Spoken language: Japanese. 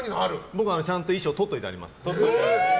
僕はちゃんと衣装とっておいてあります。